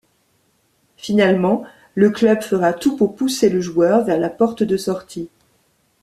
Finalement le club fera tout pour pousser le joueur vers la porte de sortie.